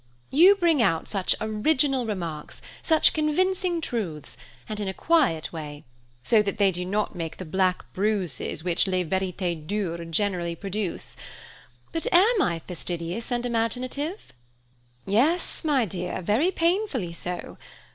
You bring out such original remarks, such convincing truths, and in a quiet way, so that they do not make the black bruises which les vérités dures generally produce. But am I fastidious and imaginative?" "Yes, my dear, very painfully so.